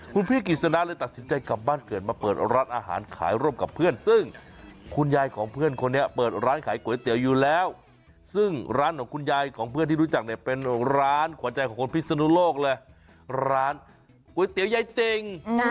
คุณพี่กิจสนาเลยตัดสินใจกลับบ้านเกิดมาเปิดร้านอาหารขายร่วมกับเพื่อนซึ่งคุณยายของเพื่อนคนนี้เปิดร้านขายก๋วยเตี๋ยวอยู่แล้วซึ่งร้านของคุณยายของเพื่อนที่รู้จักเนี่ยเป็นร้านขวัญใจของคนพิศนุโลกเลยร้านก๋วยเตี๋ยวยายติ่ง